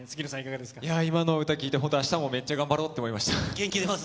今の歌を聴いて、明日もめっちゃ頑張ろうと思いました。